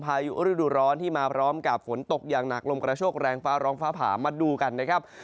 พายุฤดูร้อนที่มาพร้อมกับฝนตกอย่างหนักลมกระโชคแรงฟ้าร้องฟ้าผ่ามาดูกันนะครับ